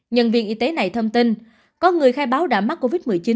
nhân viên y tế này thông tin có người khai báo đã mắc covid một mươi chín